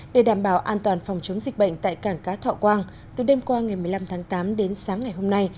để đảm bảo an toàn phòng chống dịch bệnh tại cảng cá thọ quang từ đêm qua ngày một mươi năm tháng tám đến sáng ngày hôm nay